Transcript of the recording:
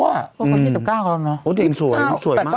วัน๒๙ครับเนอะ